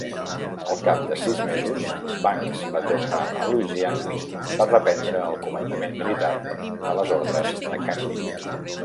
Al cap de sis mesos, Banks va tornar a Louisiana per reprendre el comandament militar a les ordres de Canby.